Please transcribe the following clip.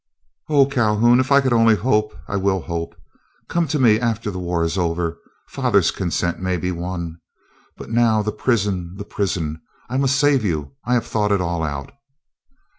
"Oh, Calhoun, if I could only hope! I will hope. Come to me after the war is over. Father's consent may be won. But now the prison, the prison. I must save you. I have thought it all out."